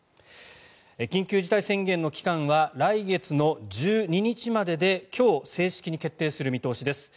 緊急事態宣言の期間は来月の１２日までで今日正式に決定する見通しです。